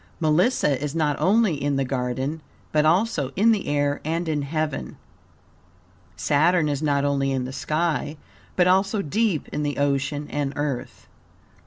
Melissa is not only in the garden, but also in the air and in heaven. Saturn is not only in the sky, but also deep in the ocean and Earth.